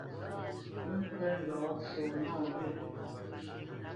Mə ŋkə̄ ndɔ̌ sɔ̌ nɔwyə̂.